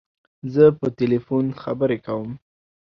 زه په تلیفون خبری کوم.